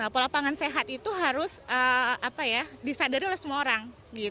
pola pangan sehat itu harus disadari oleh semua orang